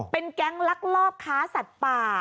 เป็นแก๊งลักลอบค้าสัตว์ป่า